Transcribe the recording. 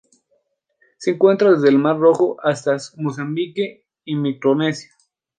Se encuentra desde el Mar Rojo hasta Mozambique y Micronesia.